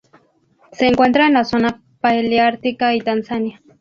Se encuentra en la zona paleártica y Tanzania.